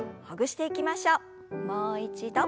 もう一度。